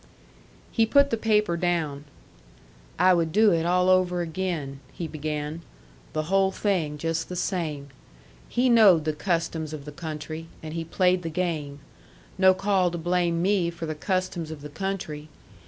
He put the paper down. "I would do it all over again," he began. "The whole thing just the same. He knowed the customs of the country, and he played the game. No call to blame me for the customs of the country.